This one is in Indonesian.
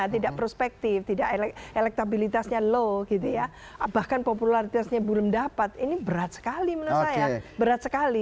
tidak prospektif tidak elektabilitasnya low gitu ya bahkan popularitasnya belum dapat ini berat sekali menurut saya berat sekali